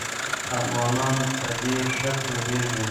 افغانان په دې ښه پوهېږي.